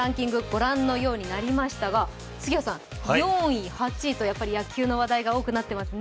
ご覧のようになりましたが、杉谷さん、４位、８位と野球の話題が多くなっていますね。